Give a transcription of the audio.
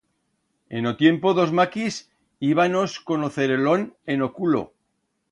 En o tiempo d'os maquis íbanos con o cerolón en o culo.